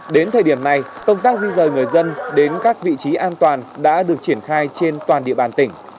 đến thời điểm này công tác di rời người dân đến các vị trí an toàn đã được triển khai trên toàn địa bàn tỉnh